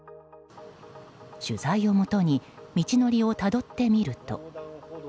取材をもとに道のりをたどってみると。